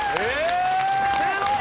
すごい！